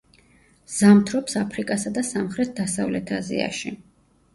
ზამთრობს აფრიკასა და სამხრეთ-დასავლეთ აზიაში.